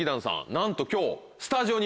なんと今日。